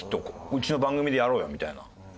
「うちの番組でやろうよ」みたいな。